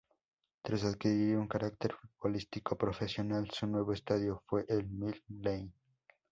Tras adquirir un carácter futbolístico profesional, su nuevo estadio fue el Mill Lane.